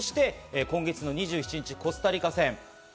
そして今月２７日、コスタリカ戦。